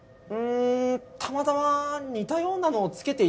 たまたま似たようなのをつけていたのかな。